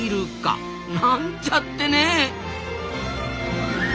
なんちゃってね。